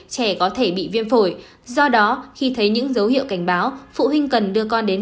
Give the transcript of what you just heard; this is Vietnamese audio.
trẻ có thể bị viêm phổi do đó khi thấy những dấu hiệu cảnh báo phụ huynh cần đưa con đến